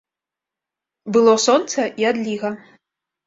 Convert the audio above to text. Было сонца і адліга.